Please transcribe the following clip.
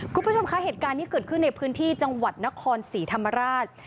คุณผู้ชมคะเหตุการณ์นี้เกิดขึ้นในพื้นที่จังหวัดนครศรีธรรมราช